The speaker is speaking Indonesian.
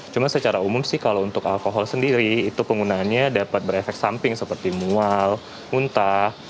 cuma secara umum sih kalau untuk alkohol sendiri itu penggunaannya dapat berefek samping seperti mual muntah